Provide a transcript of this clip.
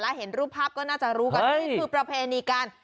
แล้วเห็นรูปภาพก็น่าจะรู้กันนี่คือประเพณีการ